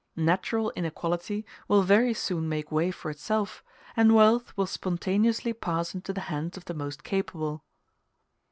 Natural inequality will very soon make way for itself, and wealth will spontaneously pass into the hands of the most capable.